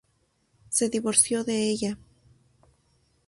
Se divorció de ella.